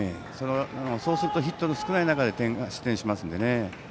そうするとヒットの少ない中で失点しますのでね。